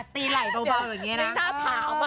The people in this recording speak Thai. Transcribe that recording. ตีไหล่เบาเหมือนแบบนี้นะ